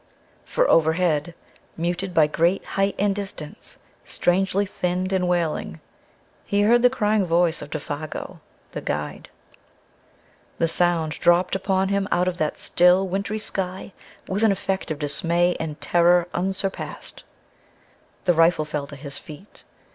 Far overhead, muted by great height and distance, strangely thinned and wailing, he heard the crying voice of Défago, the guide. The sound dropped upon him out of that still, wintry sky with an effect of dismay and terror unsurpassed. The rifle fell to his feet.